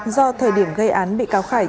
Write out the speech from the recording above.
do thời điểm gây án bị cáo khải